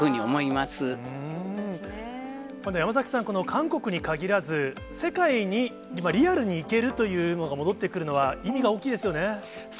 また山崎さん、韓国に限らず、世界に今、リアルに行けるというのが戻ってくるのは、そうですね。